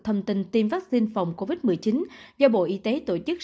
thông tin tiêm vaccine phòng covid một mươi chín do bộ y tế tổ chức